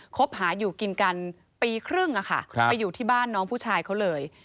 คบหาอยู่กินกันปีครึ่งไปอยู่ที่บ้านน้องผู้ชายเขาเลย